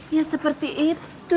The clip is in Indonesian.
ya seperti itu